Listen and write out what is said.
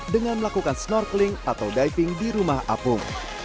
dengan melakukan snorkeling atau diving di rumah apung